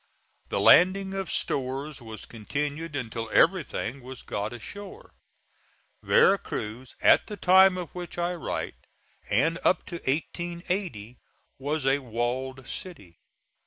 The landing of stores was continued until everything was got ashore. Vera Cruz, at the time of which I write and up to 1880, was a walled city.